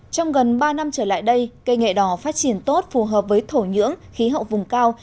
trong gần ba năm trở lại đây cây nghệ đỏ phát triển tốt phù hợp với thổ nhưỡng khí hậu vùng cao